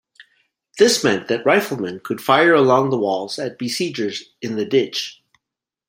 This meant that riflemen could fire along the walls at besiegers in the ditch.